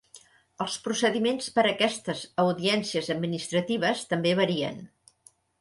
Els procediments per a aquestes audiències administratives també varien.